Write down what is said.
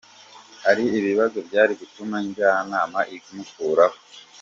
Hari ibibazo byari gutuma Njyanama imukuraho.